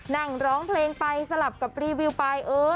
นั่งร้องเพลงไปสลับกับรีวิวไป